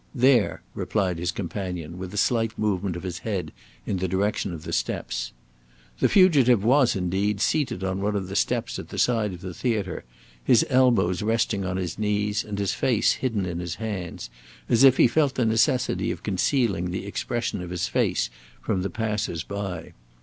"There," replied his companion, with a slight movement of his head in the direction of the steps. The fugitive was, indeed, seated on one of the steps at the side of the theatre, his elbows resting on his knees and his face hidden in his hands, as if he felt the necessity of concealing the expression of his face from the passers by.